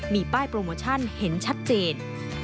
มีป้ายโปรโมชั่นเห็นชัดเจน